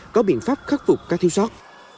có biện pháp khắc phục các thiêu soát